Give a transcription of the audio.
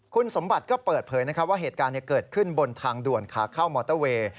คุณสมบัติก็เปิดเผยว่าเหตุการณ์เกิดขึ้นบนทางด่วนขาเข้ามอเตอร์เวย์